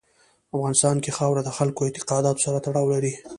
په افغانستان کې خاوره د خلکو د اعتقاداتو سره تړاو لري.